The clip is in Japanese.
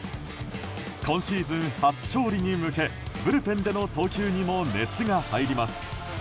今シーズン初勝利に向けブルペンでの投球にも熱が入ります。